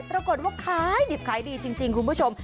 ปรากฏว่าขายดิบขายดีจริงคุณผู้ชม